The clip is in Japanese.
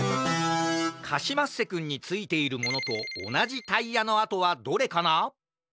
カシマッセくんについているものとおなじタイヤのあとはどれかな？